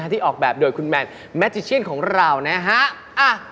ที่ออกแบบโดยคุณแมนแมทิเชียนของเรานะฮะ